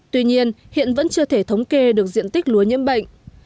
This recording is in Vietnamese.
tuy nhiên hiện vẫn chưa thể thống kê được diện tích lúa nhiễm bệnh